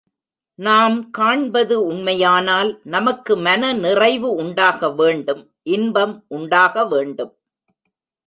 நாம் காண்பது உண்மையானால் நமக்கு மனநிறைவு உண்டாக வேண்டும் இன்பம் உண்டாக வேண்டும்.